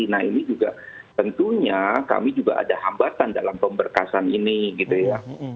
nah ini juga tentunya kami juga ada hambatan dalam pemberkasan ini gitu ya